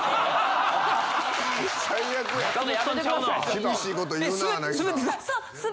厳しいこと言うなぁ凪咲。